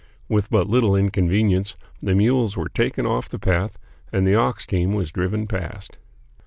With but little inconvenience the mules were taken off the path, and the ox team was driven past.